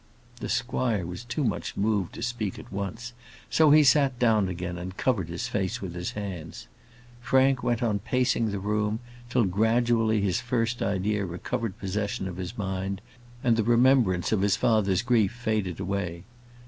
The squire was too much moved to speak at once, so he sat down again, and covered his face with his hands. Frank went on pacing the room, till, gradually, his first idea recovered possession of his mind, and the remembrance of his father's grief faded away.